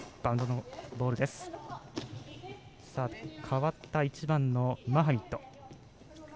代わった１番のマハミッド。